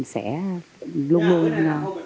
sẽ luôn luôn